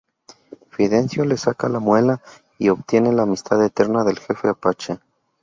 Fidencio le saca la muela y obtiene la amistad eterna del Jefe apache.